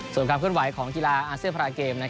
ส่วนความขึ้นไหวของกีฬาอาเซียปาราเกม